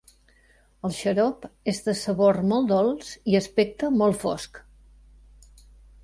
El xarop és de sabor molt dolç i aspecte molt fosc.